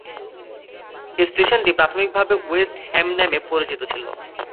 স্টেশনটি প্রাথমিকভাবে West Ham নামে পরিচিত ছিল।